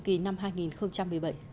cùng kỳ năm hai nghìn một mươi bảy